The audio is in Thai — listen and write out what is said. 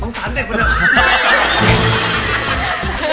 สงสารเด็กปะเนี่ย